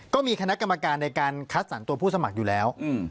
ก็มีคณะกรรมการในการคัดสรรตัวผู้สมัครอยู่แล้ว